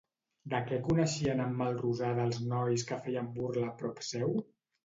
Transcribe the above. De què coneixien a en Melrosada els nois que feien burla prop seu?